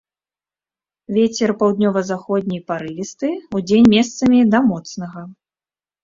Вецер паўднёва-заходні парывісты, удзень месцамі да моцнага.